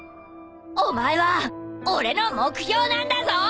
お前は俺の目標なんだぞ！